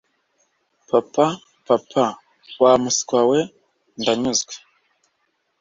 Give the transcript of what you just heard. papa, papa, wa muswa we, ndanyuze.